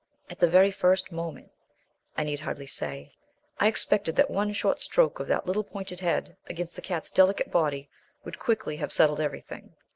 At the very first moment, I need hardly say, I expected that one short stroke of that little pointed head against the cat's delicate body would quickly have settled everything.